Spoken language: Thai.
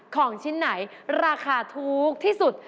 ของชิ้นไหนราคาถูกที่สุด